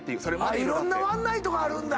いろんなワンナイトがあるんだ。